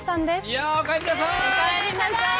いやおかえりなさい！